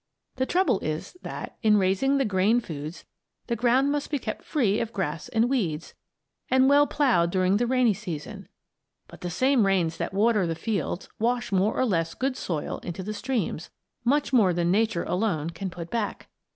The trouble is that, in raising the grain foods, the ground must be kept free of grass and weeds, and well ploughed during the rainy season. But the same rains that water the fields wash more or less good soil into the streams; much more than Nature alone can put back.